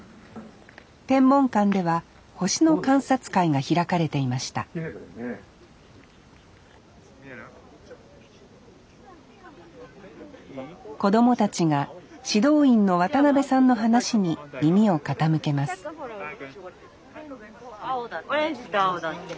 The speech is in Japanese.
天文館では星の観察会が開かれていました子供たちが指導員の渡辺さんの話に耳を傾けます青だって。